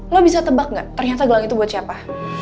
lo bisa tebak gak ternyata gelang itu buat siapa